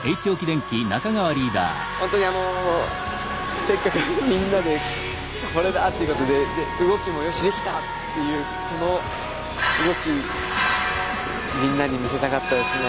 ホントにせっかくみんなで「これだ！」っていうことで動きも「よしできた！」っていうこの動きみんなに見せたかったですね